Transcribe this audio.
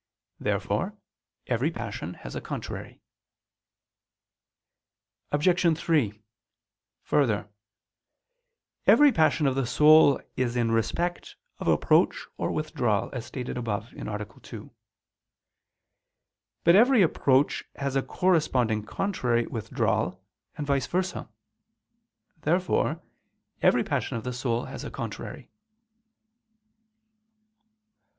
Therefore every passion has a contrary. Obj. 3: Further, every passion of the soul is in respect of approach or withdrawal, as stated above (A. 2). But every approach has a corresponding contrary withdrawal, and vice versa. Therefore every passion of the soul has a contrary.